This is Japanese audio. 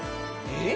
「えっ！